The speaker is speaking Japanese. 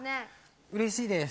うれしいです。